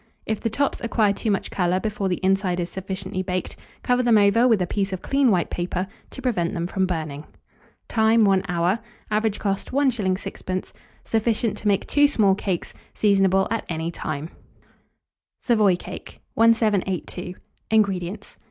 If the tops acquire too much colour before the inside is sufficiently baked, cover them over with a piece of clean white paper, to prevent them from burning. Time. 1 hour. Average cost, 1s. 6d. Sufficient to make 2 small cakes. Seasonable at any time. SAVOY CAKE. 1782. INGREDIENTS.